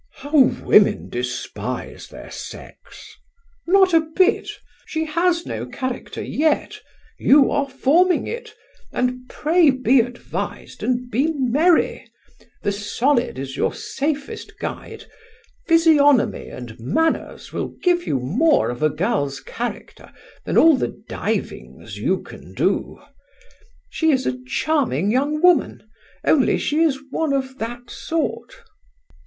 "How women despise their sex!" "Not a bit. She has no character yet. You are forming it, and pray be advised and be merry; the solid is your safest guide; physiognomy and manners will give you more of a girl's character than all the divings you can do. She is a charming young woman, only she is one of that sort."